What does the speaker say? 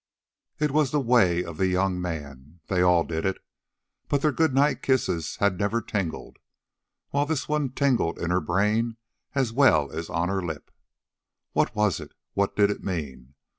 It was the way of the young men. They all did it. But their good night kisses had never tingled, while this one tingled in her brain as well as on her lip. What was it? What did it mean?